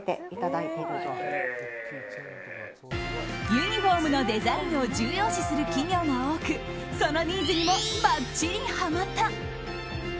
ユニホームのデザインを重要視する企業が多くそのニーズにもばっちりハマった。